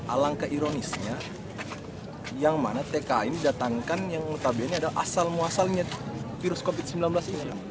alangkah ironisnya yang mana tka ini didatangkan yang notabene adalah asal muasalnya virus covid sembilan belas ini